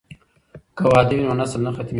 که واده وي نو نسل نه ختمیږي.